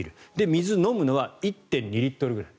水を飲むのは１．２リットルぐらい。